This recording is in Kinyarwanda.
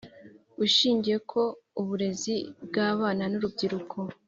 Ushingiye ko uburezi bw abana n urubyiruko